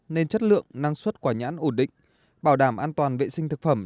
nên chất lượng năng suất quả nhãn ổn định bảo đảm an toàn vệ sinh thực phẩm